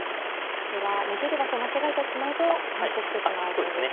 これは逃げる場所を間違えてしまうと頓死してしまうという。